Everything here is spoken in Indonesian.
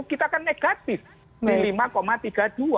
kita kan negatif di lima tiga puluh dua